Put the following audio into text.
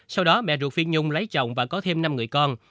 từ đó mẹ ruột phi nhung lấy chồng và có thêm năm người con